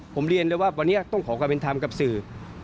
ผมเรียนเลยว่าวันนี้ต้องขอความเป็นธรรมกับสื่อ